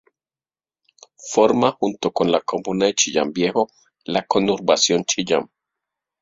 Forma junto con la comuna de Chillán Viejo la Conurbación Chillán.